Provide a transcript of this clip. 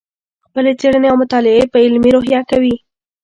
خپلې څېړنې او مطالعې په علمي روحیه کوې.